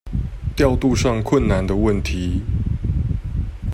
調度上困難的問題